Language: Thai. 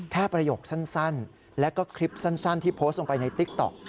ประโยคสั้นแล้วก็คลิปสั้นที่โพสต์ลงไปในติ๊กต๊อก